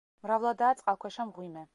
მრავლადაა წყალქვეშა მღვიმე.